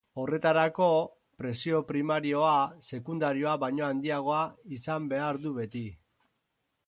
Horretarako, presio primarioa sekundarioa baino handiagoa izan behar du beti.